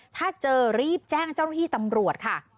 ถ้าเจอรีบแจ้งเจ้าหน้าที่ตำรวจค่ะ